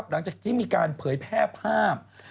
หลังจากที่มีการเผยแพร่ภาพ